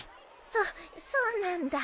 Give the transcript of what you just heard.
そっそうなんだ。